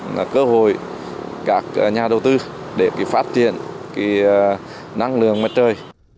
là cơ hội các nhà đầu tư để phát triển năng lượng mặt trời